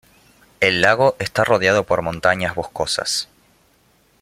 El lago está rodeado por montañas boscosas.